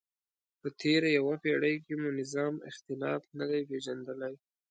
په تېره یوه پیړۍ کې مو نظام اختلاف نه پېژندلی.